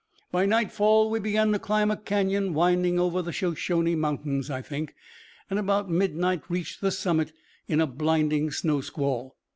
By nightfall we began to climb a canyon winding over the Shoshone Mountains, I think, and about midnight reached the summit in a blinding snow squall.